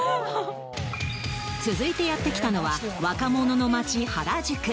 続いてやってきたのは若者の街、原宿。